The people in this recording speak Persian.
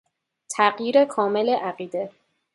تغییر کامل عقیده